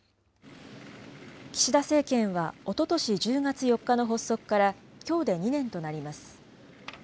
岸田政権はおととし１０月４日の発足から、きょうで２年となります。